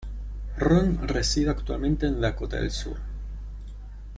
Ron reside actualmente en Dakota del Sur.